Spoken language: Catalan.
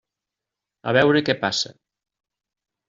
A veure què passa.